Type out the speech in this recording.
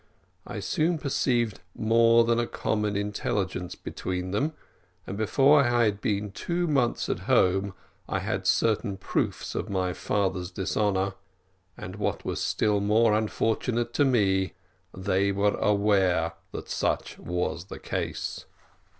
I soon perceived more than a common intelligence between them, and before I had been two months at home I had certain proofs of my father's dishonour; and what was still more unfortunate for me, they were aware that such was the case.